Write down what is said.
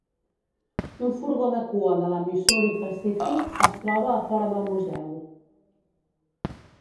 Un furgó de cua de la Missouri Pacific es troba a fora del museu.